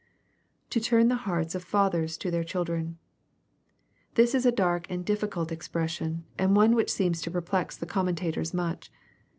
[To turn tha hearts of the fathers to the children.] This is a dark and difficult expression, and one which seems to perplex the commentators much.